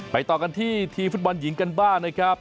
ต่อกันที่ทีมฟุตบอลหญิงกันบ้างนะครับ